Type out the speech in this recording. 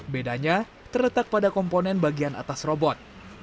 bedanya terletak pada komponen bagian atas robot